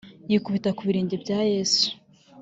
Yikubita ku birenge bya Yesu